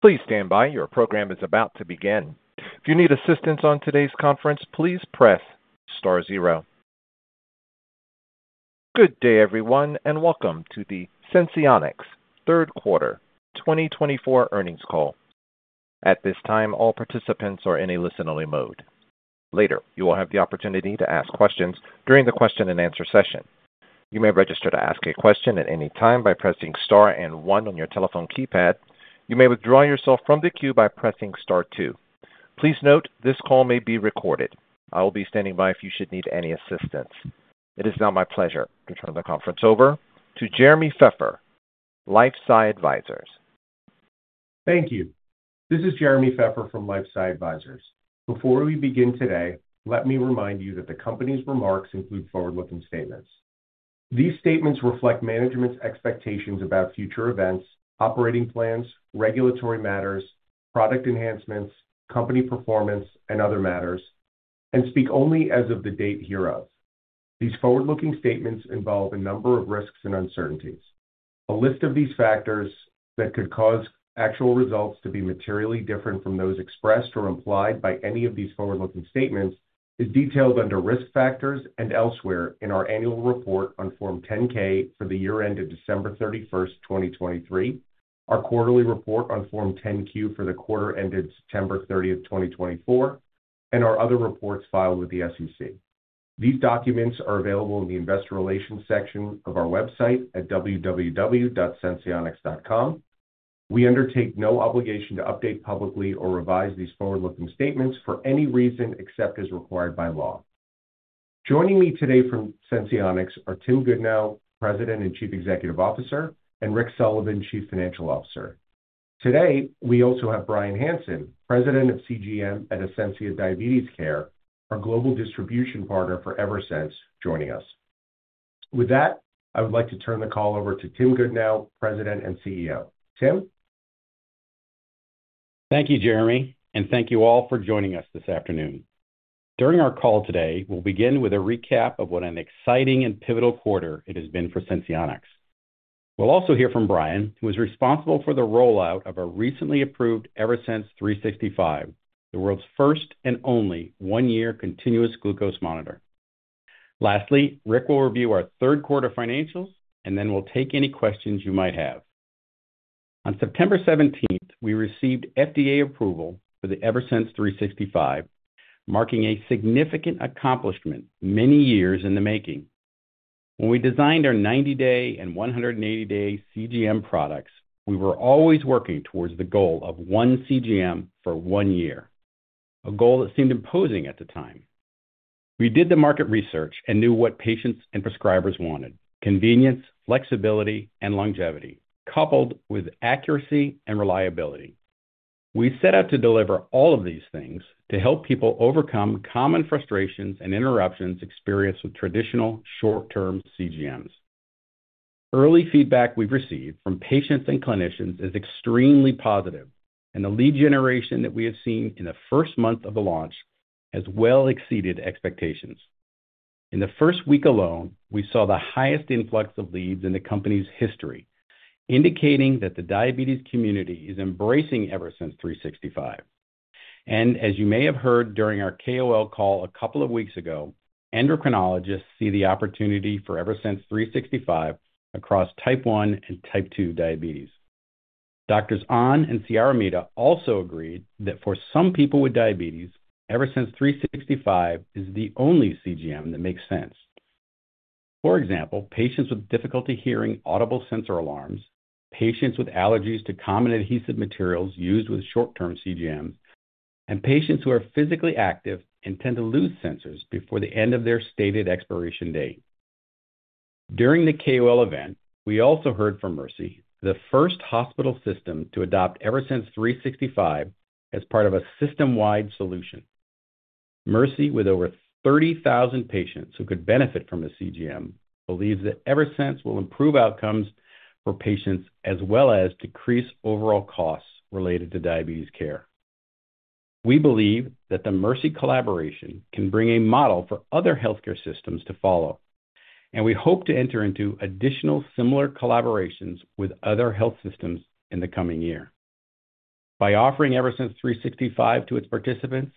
Please stand by, your program is about to begin. If you need assistance on today's conference, please press star zero. Good day, everyone, and welcome to the Senseonics Third Quarter 2024 earnings call. At this time, all participants are in a listen-only mode. Later, you will have the opportunity to ask questions during the question-and-answer session. You may register to ask a question at any time by pressing star and one on your telephone keypad. You may withdraw yourself from the queue by pressing star two. Please note, this call may be recorded. I will be standing by if you should need any assistance. It is now my pleasure to turn the conference over to Jeremy Feffer, LifeSci Advisors. Thank you. This is Jeremy Feffer from LifeSci Advisors. Before we begin today, let me remind you that the company's remarks include forward-looking statements. These statements reflect management's expectations about future events, operating plans, regulatory matters, product enhancements, company performance, and other matters, and speak only as of the date hereof. These forward-looking statements involve a number of risks and uncertainties. A list of these factors that could cause actual results to be materially different from those expressed or implied by any of these forward-looking statements is detailed under risk factors and elsewhere in our annual report on Form 10-K for the year ended December 31st, 2023, our quarterly report on Form 10-Q for the quarter ended September 30th, 2024, and our other reports filed with the SEC. These documents are available in the investor relations section of our website at www.senseonics.com. We undertake no obligation to update publicly or revise these forward-looking statements for any reason except as required by law. Joining me today from Senseonics are Tim Goodnow, President and Chief Executive Officer, and Rick Sullivan, Chief Financial Officer. Today, we also have Brian Hansen, President of CGM at Ascensia Diabetes Care, our global distribution partner for Eversense, joining us. With that, I would like to turn the call over to Tim Goodnow, President and CEO. Tim? Thank you, Jeremy, and thank you all for joining us this afternoon. During our call today, we'll begin with a recap of what an exciting and pivotal quarter it has been for Senseonics. We'll also hear from Brian, who is responsible for the rollout of our recently approved Eversense 365, the world's first and only one-year continuous glucose monitor. Lastly, Rick will review our third quarter financials, and then we'll take any questions you might have. On September 17th, we received FDA approval for the Eversense 365, marking a significant accomplishment many years in the making. When we designed our 90-day and 180-day CGM products, we were always working towards the goal of one CGM for one year, a goal that seemed imposing at the time. We did the market research and knew what patients and prescribers wanted: convenience, flexibility, and longevity, coupled with accuracy and reliability. We set out to deliver all of these things to help people overcome common frustrations and interruptions experienced with traditional short-term CGMs. Early feedback we've received from patients and clinicians is extremely positive, and the lead generation that we have seen in the first month of the launch has well exceeded expectations. In the first week alone, we saw the highest influx of leads in the company's history, indicating that the diabetes community is embracing Eversense 365. And as you may have heard during our KOL call a couple of weeks ago, endocrinologists see the opportunity for Eversense 365 across Type 1 and Type 2 diabetes. Doctors Ahn and Ciaramita also agreed that for some people with diabetes, Eversense 365 is the only CGM that makes sense. For example, patients with difficulty hearing audible sensor alarms, patients with allergies to common adhesive materials used with short-term CGMs, and patients who are physically active and tend to lose sensors before the end of their stated expiration date. During the KOL event, we also heard from Mercy Health, the first hospital system to adopt Eversense 365 as part of a system-wide solution. Mercy Health, with over 30,000 patients who could benefit from a CGM, believes that Eversense will improve outcomes for patients as well as decrease overall costs related to diabetes care. We believe that the Mercy Health collaboration can bring a model for other healthcare systems to follow, and we hope to enter into additional similar collaborations with other health systems in the coming year. By offering Eversense 365 to its participants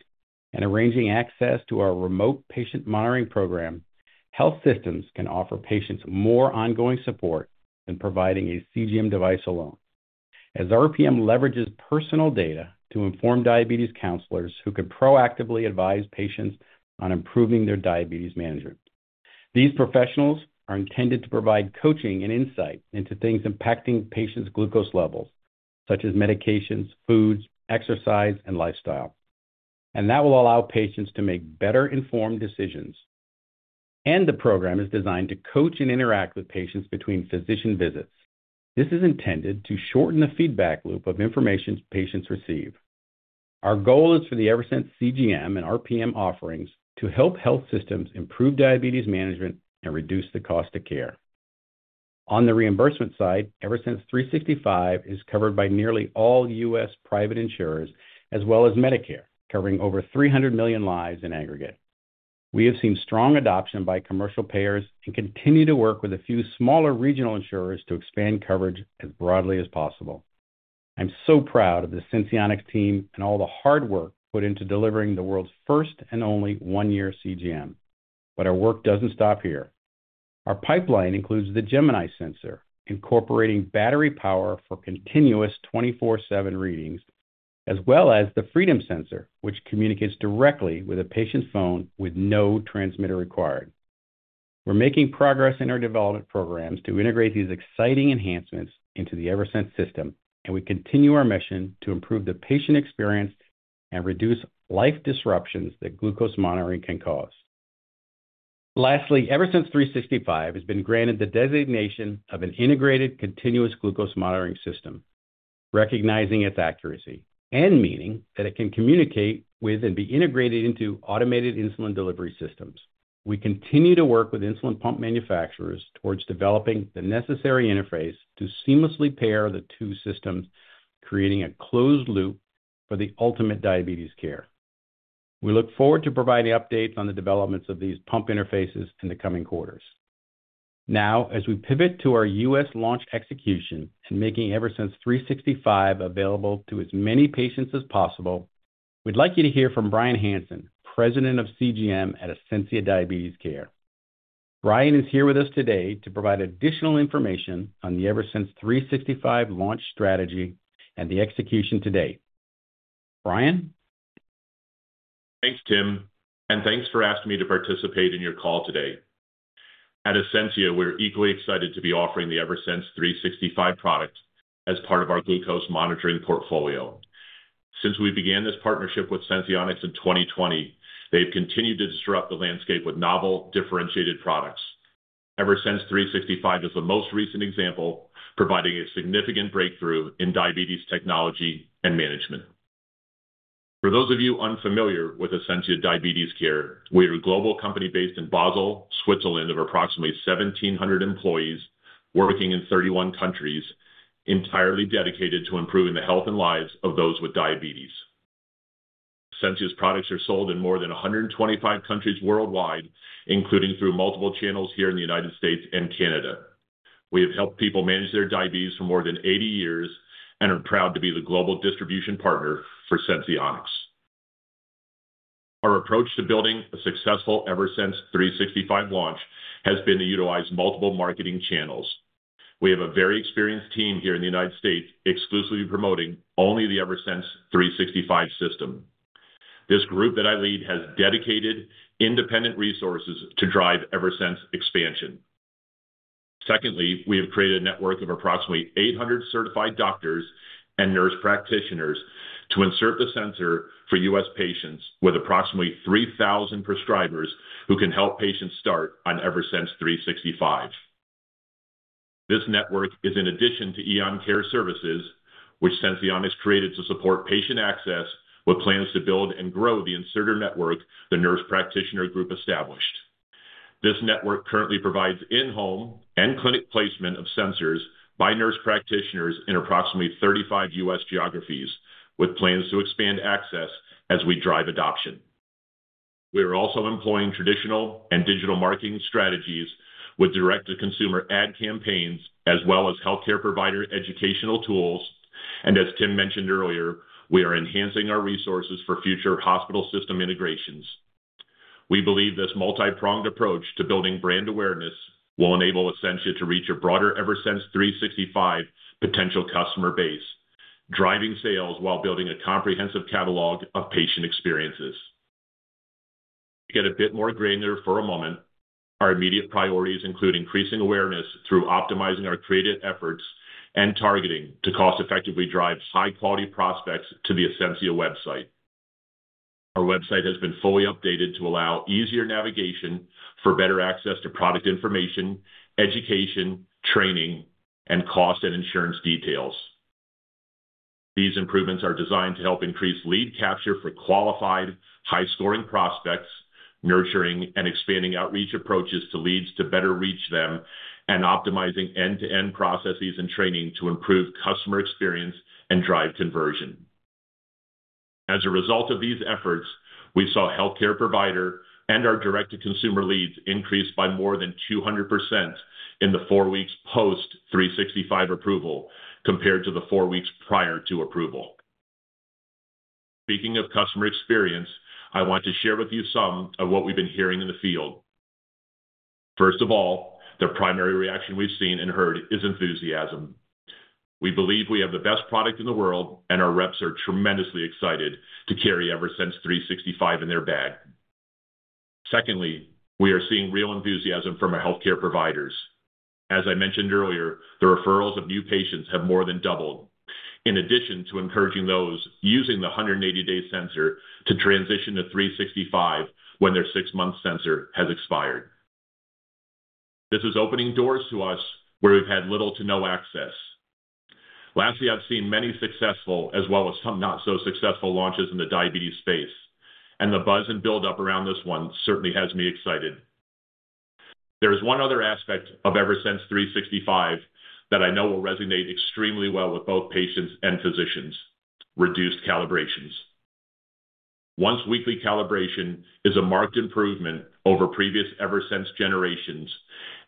and arranging access to our remote patient monitoring program, health systems can offer patients more ongoing support than providing a CGM device alone, as RPM leverages personal data to inform diabetes counselors who can proactively advise patients on improving their diabetes management. These professionals are intended to provide coaching and insight into things impacting patients' glucose levels, such as medications, foods, exercise, and lifestyle, and that will allow patients to make better-informed decisions, and the program is designed to coach and interact with patients between physician visits. This is intended to shorten the feedback loop of information patients receive. Our goal is for the Eversense CGM and RPM offerings to help health systems improve diabetes management and reduce the cost of care. On the reimbursement side, Eversense 365 is covered by nearly all U.S. Private insurers, as well as Medicare, covering over 300 million lives in aggregate. We have seen strong adoption by commercial payers and continue to work with a few smaller regional insurers to expand coverage as broadly as possible. I'm so proud of the Senseonics team and all the hard work put into delivering the world's first and only one-year CGM. But our work doesn't stop here. Our pipeline includes the Gemini sensor, incorporating battery power for continuous 24/7 readings, as well as the Freedom sensor, which communicates directly with a patient's phone with no transmitter required. We're making progress in our development programs to integrate these exciting enhancements into the Eversense system, and we continue our mission to improve the patient experience and reduce life disruptions that glucose monitoring can cause. Lastly, Eversense 365 has been granted the designation of an integrated continuous glucose monitoring system, recognizing its accuracy and meaning that it can communicate with and be integrated into automated insulin delivery systems. We continue to work with insulin pump manufacturers towards developing the necessary interface to seamlessly pair the two systems, creating a closed loop for the ultimate diabetes care. We look forward to providing updates on the developments of these pump interfaces in the coming quarters. Now, as we pivot to our U.S. launch execution and making Eversense 365 available to as many patients as possible, we'd like you to hear from Brian Hansen, President of CGM at Ascensia Diabetes Care. Brian is here with us today to provide additional information on the Eversense 365 launch strategy and the execution to date. Brian? Thanks, Tim, and thanks for asking me to participate in your call today. At Ascensia, we're equally excited to be offering the Eversense 365 product as part of our glucose monitoring portfolio. Since we began this partnership with Senseonics in 2020, they've continued to disrupt the landscape with novel, differentiated products. Eversense 365 is the most recent example, providing a significant breakthrough in diabetes technology and management. For those of you unfamiliar with Ascensia Diabetes Care, we are a global company based in Basel, Switzerland, of approximately 1,700 employees working in 31 countries, entirely dedicated to improving the health and lives of those with diabetes. Ascensia's products are sold in more than 125 countries worldwide, including through multiple channels here in the United States and Canada. We have helped people manage their diabetes for more than 80 years and are proud to be the global distribution partner for Senseonics. Our approach to building a successful Eversense 365 launch has been to utilize multiple marketing channels. We have a very experienced team here in the United States exclusively promoting only the Eversense 365 system. This group that I lead has dedicated independent resources to drive Eversense expansion. Secondly, we have created a network of approximately 800 certified doctors and nurse practitioners to insert the sensor for U.S. patients with approximately 3,000 prescribers who can help patients start on Eversense 365. This network is in addition to Eon Care Services, which Senseonics created to support patient access, with plans to build and grow the inserter network the Nurse Practitioner Group established. This network currently provides in-home and clinic placement of sensors by nurse practitioners in approximately 35 U.S. geographies, with plans to expand access as we drive adoption. We are also employing traditional and digital marketing strategies with direct-to-consumer ad campaigns, as well as healthcare provider educational tools, and as Tim mentioned earlier, we are enhancing our resources for future hospital system integrations. We believe this multi-pronged approach to building brand awareness will enable Ascensia to reach a broader Eversense 365 potential customer base, driving sales while building a comprehensive catalog of patient experiences. To get a bit more granular for a moment, our immediate priorities include increasing awareness through optimizing our creative efforts and targeting to cost-effectively drive high-quality prospects to the Ascensia website. Our website has been fully updated to allow easier navigation for better access to product information, education, training, and cost and insurance details. These improvements are designed to help increase lead capture for qualified, high-scoring prospects, nurturing and expanding outreach approaches to leads to better reach them, and optimizing end-to-end processes and training to improve customer experience and drive conversion. As a result of these efforts, we saw healthcare provider and our direct-to-consumer leads increase by more than 200% in the four weeks post-365 approval compared to the four weeks prior to approval. Speaking of customer experience, I want to share with you some of what we've been hearing in the field. First of all, the primary reaction we've seen and heard is enthusiasm. We believe we have the best product in the world, and our reps are tremendously excited to carry Eversense 365 in their bag. Secondly, we are seeing real enthusiasm from our healthcare providers. As I mentioned earlier, the referrals of new patients have more than doubled, in addition to encouraging those using the 180-day sensor to transition to 365 when their six-month sensor has expired. This is opening doors to us where we've had little to no access. Lastly, I've seen many successful as well as some not-so-successful launches in the diabetes space, and the buzz and build-up around this one certainly has me excited. There is one other aspect of Eversense 365 that I know will resonate extremely well with both patients and physicians: reduced calibrations. Once-weekly calibration is a marked improvement over previous Eversense generations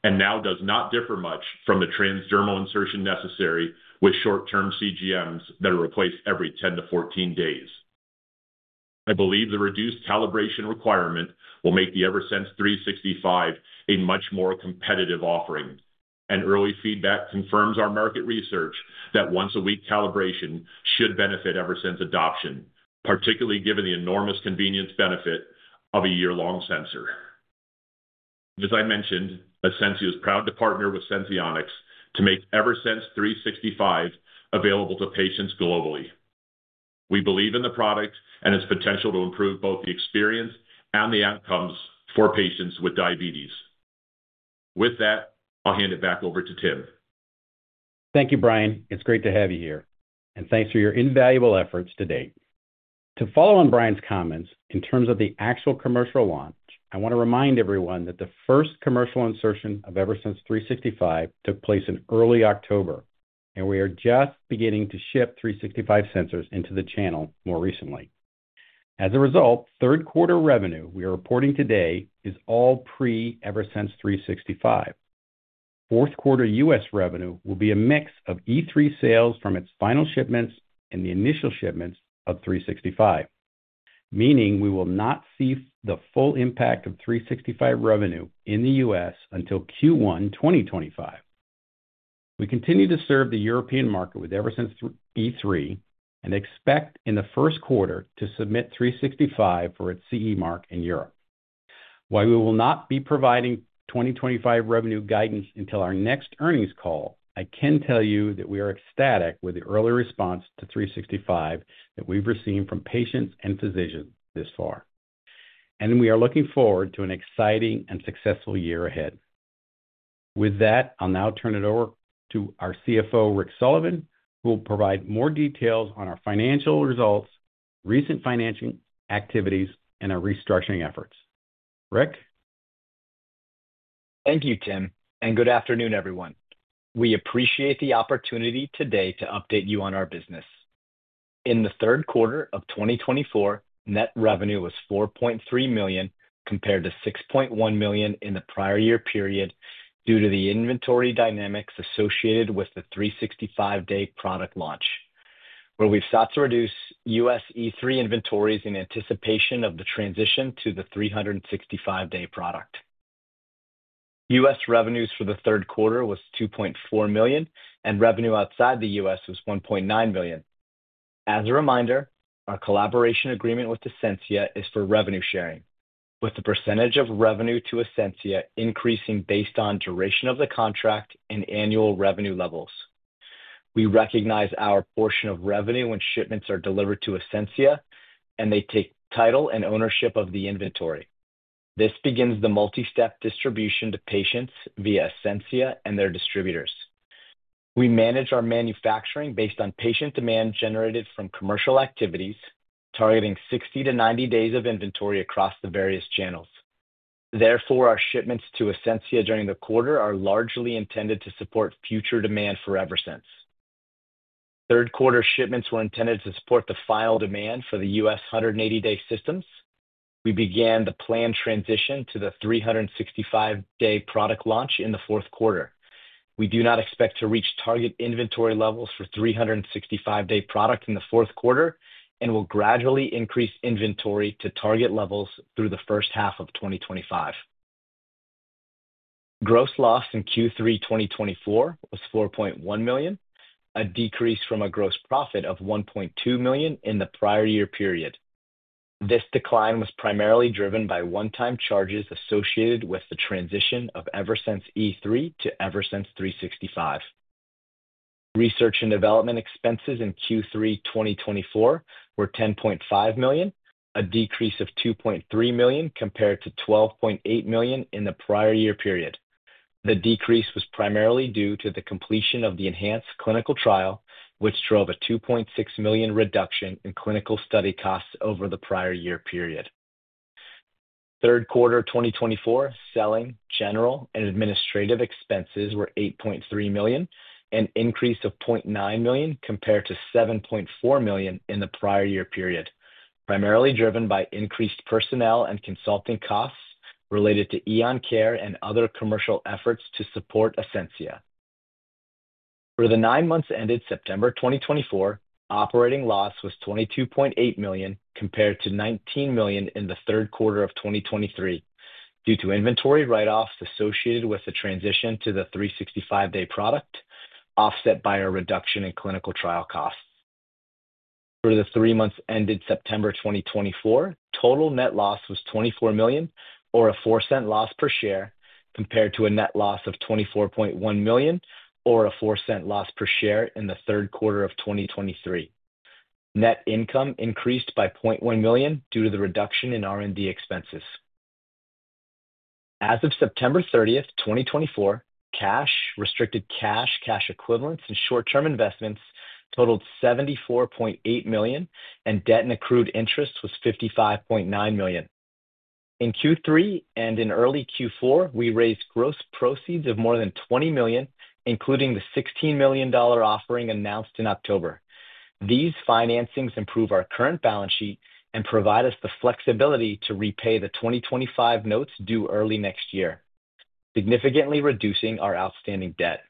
and now does not differ much from the transdermal insertion necessary with short-term CGMs that are replaced every 10-14 days. I believe the reduced calibration requirement will make the Eversense 365 a much more competitive offering, and early feedback confirms our market research that once-a-week calibration should benefit Eversense adoption, particularly given the enormous convenience benefit of a year-long sensor. As I mentioned, Ascensia is proud to partner with Senseonics to make Eversense 365 available to patients globally. We believe in the product and its potential to improve both the experience and the outcomes for patients with diabetes. With that, I'll hand it back over to Tim. Thank you, Brian. It's great to have you here, and thanks for your invaluable efforts to date. To follow on Brian's comments in terms of the actual commercial launch, I want to remind everyone that the first commercial insertion of Eversense 365 took place in early October, and we are just beginning to ship 365 sensors into the channel more recently. As a result, third-quarter revenue we are reporting today is all pre-Eversense 365. Fourth-quarter U.S. revenue will be a mix of E3 sales from its final shipments and the initial shipments of 365, meaning we will not see the full impact of 365 revenue in the U.S. until Q1 2025. We continue to serve the European market with Eversense E3 and expect in the first quarter to submit 365 for its CE mark in Europe. While we will not be providing 2025 revenue guidance until our next earnings call, I can tell you that we are ecstatic with the early response to 365 that we've received from patients and physicians this far, and we are looking forward to an exciting and successful year ahead. With that, I'll now turn it over to our CFO, Rick Sullivan, who will provide more details on our financial results, recent financing activities, and our restructuring efforts. Rick? Thank you, Tim, and good afternoon, everyone. We appreciate the opportunity today to update you on our business. In the third quarter of 2024, net revenue was $4.3 million compared to $6.1 million in the prior year period due to the inventory dynamics associated with the 365-day product launch, where we've sought to reduce U.S. E3 inventories in anticipation of the transition to the 365-day product. U.S. revenues for the third quarter was $2.4 million, and revenue outside the U.S. was $1.9 million. As a reminder, our collaboration agreement with Ascensia is for revenue sharing, with the percentage of revenue to Ascensia increasing based on duration of the contract and annual revenue levels. We recognize our portion of revenue when shipments are delivered to Ascensia, and they take title and ownership of the inventory. This begins the multi-step distribution to patients via Ascensia and their distributors. We manage our manufacturing based on patient demand generated from commercial activities, targeting 60 to 90 days of inventory across the various channels. Therefore, our shipments to Ascensia during the quarter are largely intended to support future demand for Eversense. Third-quarter shipments were intended to support the final demand for the U.S. 180-day systems. We began the planned transition to the 365-day product launch in the fourth quarter. We do not expect to reach target inventory levels for 365-day product in the fourth quarter and will gradually increase inventory to target levels through the first half of 2025. Gross loss in Q3 2024 was $4.1 million, a decrease from a gross profit of $1.2 million in the prior year period. This decline was primarily driven by one-time charges associated with the transition of Eversense E3 to Eversense 365. Research and development expenses in Q3 2024 were $10.5 million, a decrease of $2.3 million compared to $12.8 million in the prior year period. The decrease was primarily due to the completion of the enhanced clinical trial, which drove a $2.6 million reduction in clinical study costs over the prior year period. Third quarter 2024, selling, general, and administrative expenses were $8.3 million, an increase of $0.9 million compared to $7.4 million in the prior year period, primarily driven by increased personnel and consulting costs related to Eon Care and other commercial efforts to support Ascensia. For the nine months ended September 2024, operating loss was $22.8 million compared to $19 million in the third quarter of 2023 due to inventory write-offs associated with the transition to the 365-day product, offset by a reduction in clinical trial costs. For the three months ended September 2024, total net loss was $24 million, or a $0.04 loss per share, compared to a net loss of $24.1 million, or a $0.04 loss per share in the third quarter of 2023. Net income increased by $0.1 million due to the reduction in R&D expenses. As of September 30, 2024, cash, restricted cash, cash equivalents, and short-term investments totaled $74.8 million, and debt and accrued interest was $55.9 million. In Q3 and in early Q4, we raised gross proceeds of more than $20 million, including the $16 million offering announced in October. These financings improve our current balance sheet and provide us the flexibility to repay the 2025 notes due early next year, significantly reducing our outstanding debt.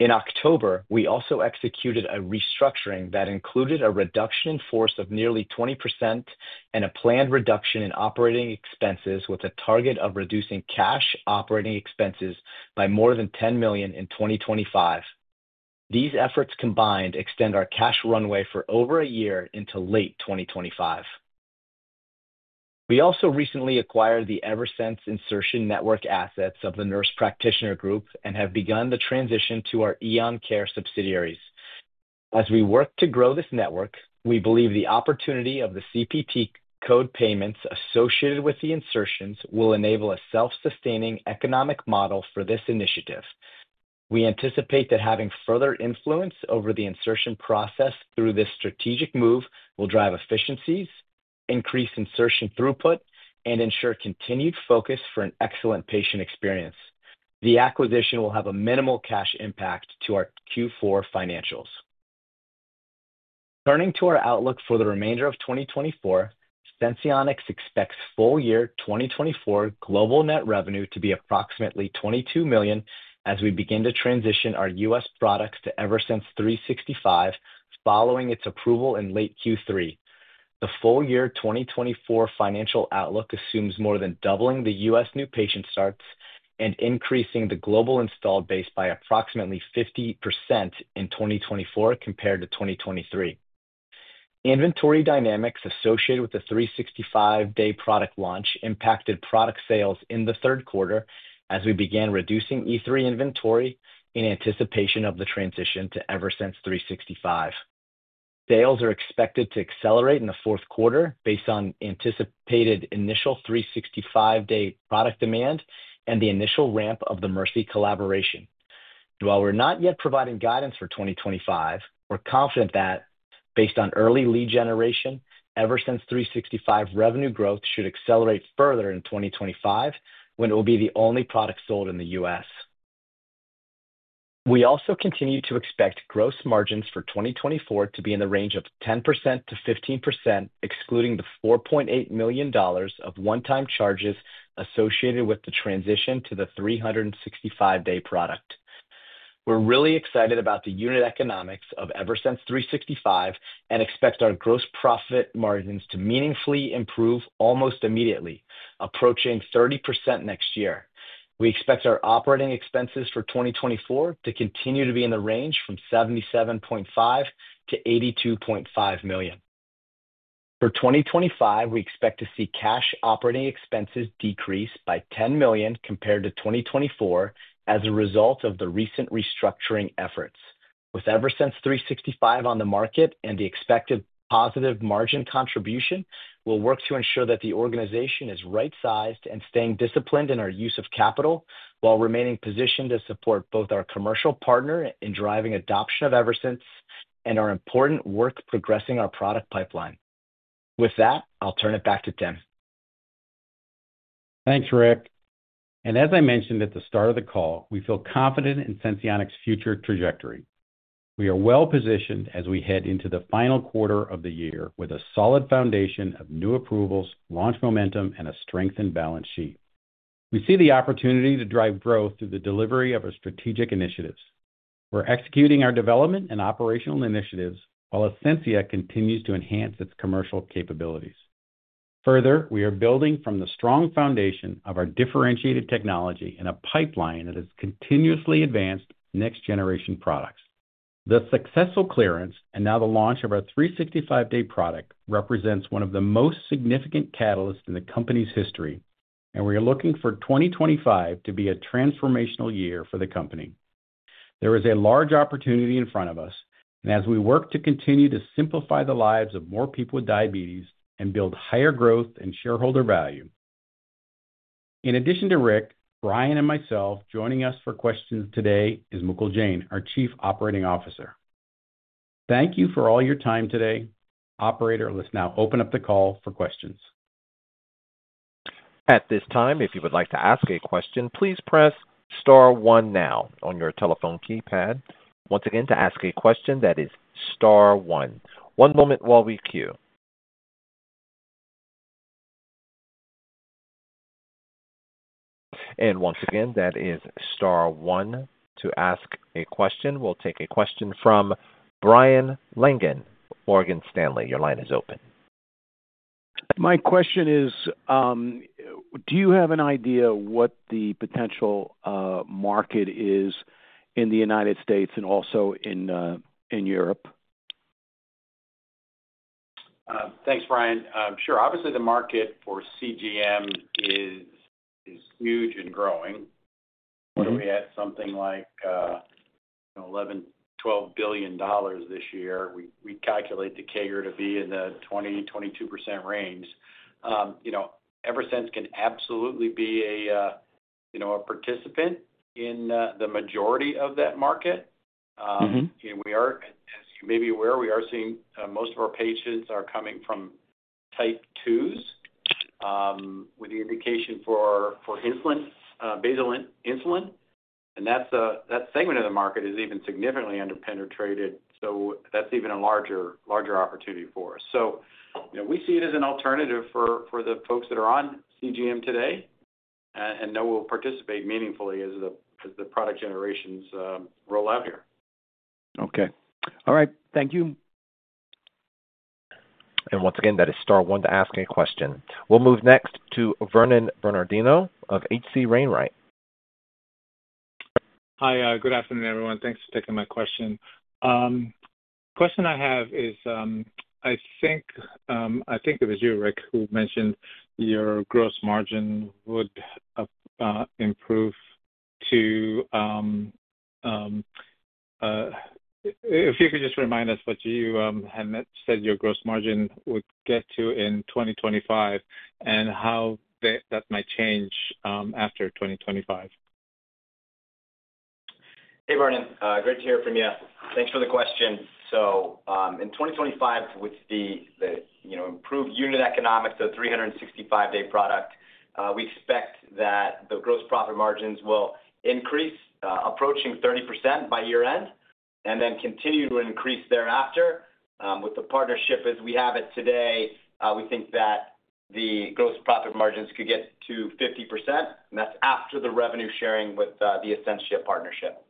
In October, we also executed a restructuring that included a reduction in force of nearly 20% and a planned reduction in operating expenses, with a target of reducing cash operating expenses by more than $10 million in 2025. These efforts combined extend our cash runway for over a year into late 2025. We also recently acquired the Eversense insertion network assets of the Nurse Practitioner Group and have begun the transition to our Eon Care subsidiaries. As we work to grow this network, we believe the opportunity of the CPT code payments associated with the insertions will enable a self-sustaining economic model for this initiative. We anticipate that having further influence over the insertion process through this strategic move will drive efficiencies, increase insertion throughput, and ensure continued focus for an excellent patient experience. The acquisition will have a minimal cash impact to our Q4 financials. Turning to our outlook for the remainder of 2024, Senseonics expects full-year 2024 global net revenue to be approximately $22 million as we begin to transition our U.S. products to Eversense 365 following its approval in late Q3. The full-year 2024 financial outlook assumes more than doubling the U.S. new patient starts and increasing the global installed base by approximately 50% in 2024 compared to 2023. Inventory dynamics associated with the 365-day product launch impacted product sales in the third quarter as we began reducing E3 inventory in anticipation of the transition to Eversense 365. Sales are expected to accelerate in the fourth quarter based on anticipated initial 365-day product demand and the initial ramp of the Mercy collaboration. While we're not yet providing guidance for 2025, we're confident that, based on early lead generation, Eversense 365 revenue growth should accelerate further in 2025 when it will be the only product sold in the U.S. We also continue to expect gross margins for 2024 to be in the range of 10%-15%, excluding the $4.8 million of one-time charges associated with the transition to the 365-day product. We're really excited about the unit economics of Eversense 365 and expect our gross profit margins to meaningfully improve almost immediately, approaching 30% next year. We expect our operating expenses for 2024 to continue to be in the range from $77.5-82.5 million. For 2025, we expect to see cash operating expenses decrease by $10 million compared to 2024 as a result of the recent restructuring efforts. With Eversense 365 on the market and the expected positive margin contribution, we'll work to ensure that the organization is right-sized and staying disciplined in our use of capital while remaining positioned to support both our commercial partner in driving adoption of Eversense and our important work progressing our product pipeline. With that, I'll turn it back to Tim. Thanks, Rick. And as I mentioned at the start of the call, we feel confident in Senseonics' future trajectory. We are well-positioned as we head into the final quarter of the year with a solid foundation of new approvals, launch momentum, and a strengthened balance sheet. We see the opportunity to drive growth through the delivery of our strategic initiatives. We're executing our development and operational initiatives while Ascensia continues to enhance its commercial capabilities. Further, we are building from the strong foundation of our differentiated technology in a pipeline that has continuously advanced next-generation products. The successful clearance and now the launch of our 365-day product represents one of the most significant catalysts in the company's history, and we are looking for 2025 to be a transformational year for the company. There is a large opportunity in front of us, and as we work to continue to simplify the lives of more people with diabetes and build higher growth and shareholder value. In addition to Rick, Brian, and myself, joining us for questions today is Mukul Jain, our Chief Operating Officer. Thank you for all your time today. Operator, let's now open up the call for questions. At this time, if you would like to ask a question, please press star one now on your telephone keypad. Once again, to ask a question, that is star one. One moment while we queue. And once again, that is star one. To ask a question, we'll take a question from Brian Langan, Morgan Stanley. Your line is open. My question is, do you have an idea what the potential market is in the United States and also in Europe? Thanks, Brian. Sure. Obviously, the market for CGM is huge and growing. We're at something like $11-$12 billion this year. We calculate the CAGR to be in the 20%-22% range. Eversense can absolutely be a participant in the majority of that market. We are, as you may be aware, we are seeing most of our patients are coming from type 2s with the indication for basal insulin. And that segment of the market is even significantly underpenetrated, so that's even a larger opportunity for us, so we see it as an alternative for the folks that are on CGM today and now will participate meaningfully as the product generations roll out here. Okay. All right. Thank you. Once again, that is star one to ask a question. We'll move next to Vernon Bernardino of H.C. Wainwright. Hi. Good afternoon, everyone. Thanks for taking my question. The question I have is, I think it was you, Rick, who mentioned your gross margin would improve to. If you could just remind us what you had said your gross margin would get to in 2025 and how that might change after 2025. Hey, Vernon. Great to hear from you. Thanks for the question. So in 2025, with the improved unit economics of 365-day product, we expect that the gross profit margins will increase, approaching 30% by year-end, and then continue to increase thereafter. With the partnership as we have it today, we think that the gross profit margins could get to 50%, and that's after the revenue sharing with the Ascensia partnership.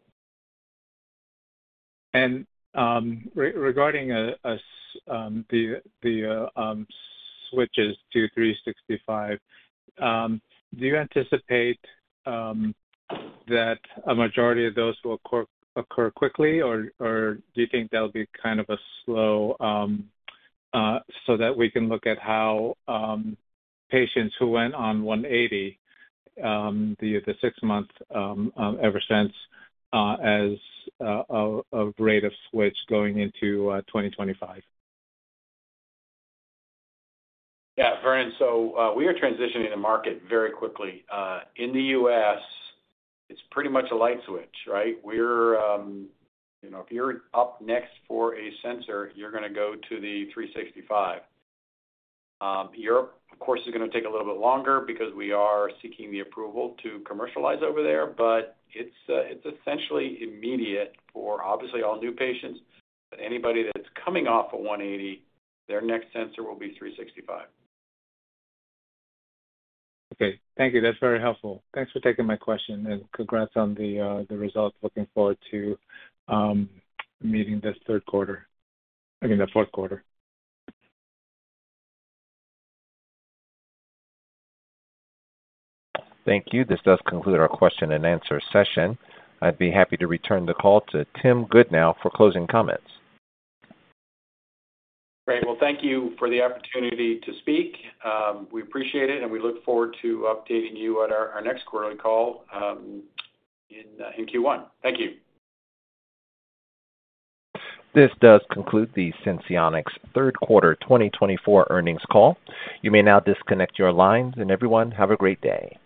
Regarding the switches to 365, do you anticipate that a majority of those will occur quickly, or do you think that'll be kind of a slow, so that we can look at how patients who went on 180, the six-month Eversense, as a rate of switch going into 2025? Yeah. Vernon, so we are transitioning the market very quickly. In the U.S., it's pretty much a light switch, right? If you're up next for a sensor, you're going to go to the 365. Europe, of course, is going to take a little bit longer because we are seeking the approval to commercialize over there, but it's essentially immediate for, obviously, all new patients. But anybody that's coming off of 180, their next sensor will be 365. Okay. Thank you. That's very helpful. Thanks for taking my question, and congrats on the results. Looking forward to meeting this third quarter—I mean, the fourth quarter. Thank you. This does conclude our question-and-answer session. I'd be happy to return the call to Tim Goodnow for closing comments. Great. Well, thank you for the opportunity to speak. We appreciate it, and we look forward to updating you at our next quarterly call in Q1. Thank you. This does conclude the Senseonics third quarter 2024 earnings call. You may now disconnect your lines. And everyone, have a great day.